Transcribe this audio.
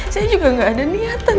saya juga gak ada niatan